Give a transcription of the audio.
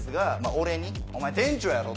俺に「お前店長やろ！」。